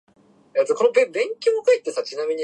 知らない人についていってはいけないよ